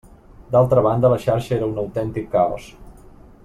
D'altra banda, la xarxa era un autèntic caos.